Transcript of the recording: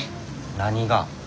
何が？